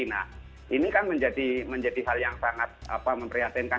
nah ini kan menjadi hal yang sangat memprihatinkan